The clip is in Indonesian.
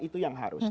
itu yang harus